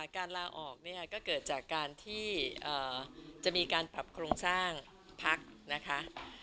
การลาออกเนี่ยก็เกิดจากการที่จะมีการปรับโครงสร้างพักนะคะ